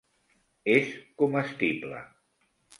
És comestible.